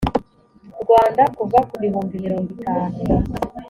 rwanda kuva ku bihumbi mirongo itanu